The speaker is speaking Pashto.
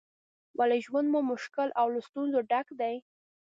ولې ژوند مو مشکل او له ستونزو ډک دی؟